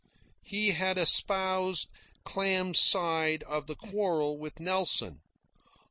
He had espoused Clam's side of the quarrel with Nelson.